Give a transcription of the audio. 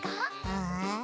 うん？